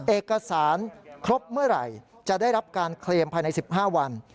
เอกสารครบเมื่อไหร่จะได้รับการเคลมภายใน๑๕วัน